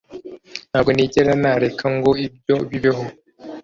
Ntabwo nigera nareka ngo ibyo bibeho